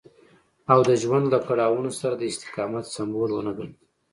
او د ژوندانه له کړاوونو سره د استقامت سمبول ونه ګڼي.